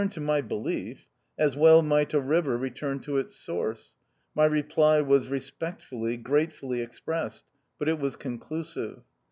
131 Eeturn to my belief I As well might a river return to its source. My reply was respectfully, gratefully expressed ; but it was conclusive.